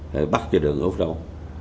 phải bắt cho đường úc râu